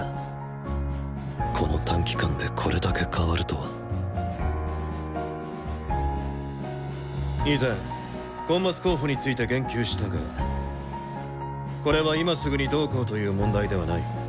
この短期間でこれだけ変わるとは以前コンマス候補について言及したがこれは今すぐにどうこうという問題ではない。